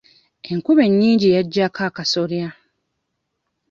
Enkuba ennyingi yagyako akasolya.